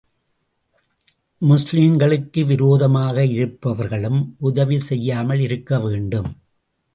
முஸ்லிம்களுக்கு விரோதமாக இருப்பவர்களும் உதவி செய்யாமல் இருக்க வேண்டும்.